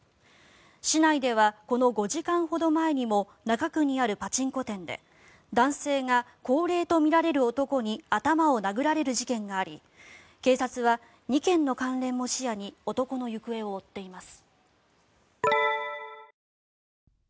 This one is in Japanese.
市内ではこの５時間ほど前にも中区にあるパチンコ店で男性が高齢とみられる男に頭を殴られる事件があり警察は２件の関連も視野に男の行方を追っています。